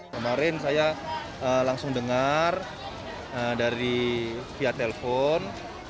kemarin saya langsung dengar dari via telepon